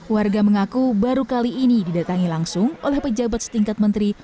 warga mengaku baru kali ini didatangi langsung oleh pejabat setingkat menteri